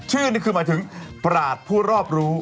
ชื่อนี่คือหมายถึงประหลาดผู้รอบรู้